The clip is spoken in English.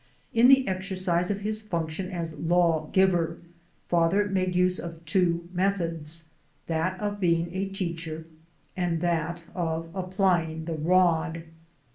In the exercise of his function as law giver, father made use of two methods ; that of being a teacher and that of apply ing the rod.